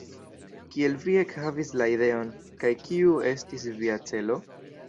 Kiel vi ekhavis la ideon, kaj kiu estis via celo?